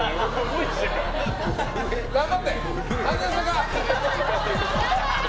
頑張って！